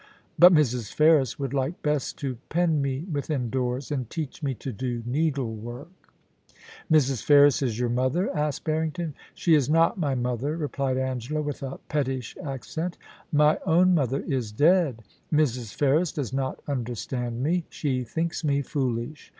... But Mrs. Ferris would like best to pen me within doors, and teach me to do needlework,' 8 1 14 POLICY AND PASSION. * Mrs. Ferris is your mother ?* asked Barrington. ' She is not my mother,' replied Angela with a pettish accent * My own mother is dead. Mrs. Ferris does not understand me. She thinks me foolish.